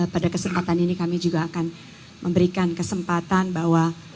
pada kesempatan ini kami juga akan memberikan kesempatan bahwa